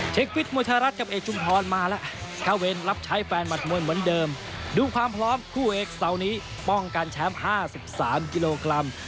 ฟิตมวยไทยรัฐกับเอกชุมพรมาแล้วเข้าเวรรับใช้แฟนหมัดมวยเหมือนเดิมดูความพร้อมคู่เอกเสาร์นี้ป้องกันแชมป์๕๓กิโลกรัม